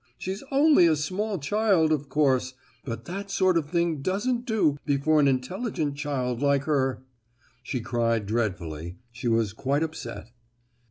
She's only a small child, of course, but that sort of thing doesn't do before an intelligent child like her! She cried dreadfully—she was quite upset.